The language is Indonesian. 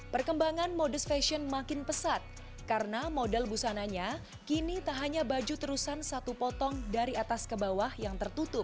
perkembangan modest fashion makin pesat karena model busananya kini tak hanya baju terusan satu potong dari atas ke bawah yang tertutup